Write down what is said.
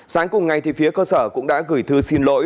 sáng cùng ngày phía cơ sở cũng đã gửi thư xin lỗi